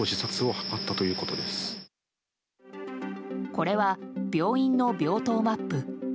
これは病院の病棟マップ。